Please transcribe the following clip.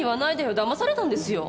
だまされたんですよ。